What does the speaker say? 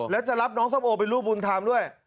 แล้วจะรับน้องส้มโอเป็นลูกบุญธรรมด้วย